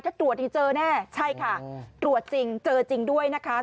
ถ้าตรวจนี่เจอแน่ใช่ค่ะตรวจจริงเจอจริงด้วยนะคะ